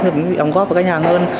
đồng góp của khách hàng hơn